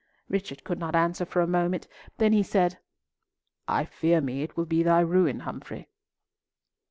Richard could not answer for a moment, then he said, "I fear me it will be thy ruin, Humfrey."